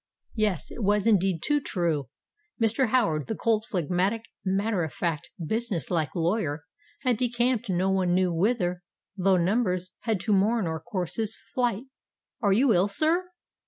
Yes—it was indeed too true: Mr. Howard—the cold, phlegmatic, matter of fact, business like lawyer—had decamped no one knew whither, though numbers had to mourn or curse his flight! "Are you ill, sir?"